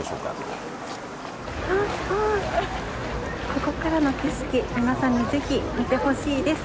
ここからの景色、皆さんにぜひ、見てほしいです。